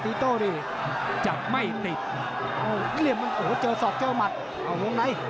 ตีโต้ดิจับไม่ติดโอ้โหเจอสอบเจ้าหมัดเอาลงไหน